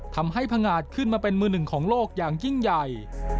พังงาดขึ้นมาเป็นมือหนึ่งของโลกอย่างยิ่งใหญ่